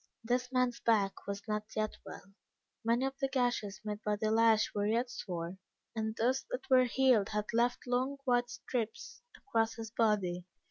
This man's back was not yet well. Many of the gashes made by the lash were yet sore, and those that were healed had left long white stripes across his body.